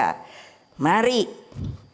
sebagai warga negara indonesia